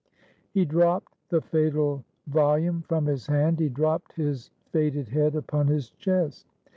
He dropped the fatal volume from his hand; he dropped his fated head upon his chest.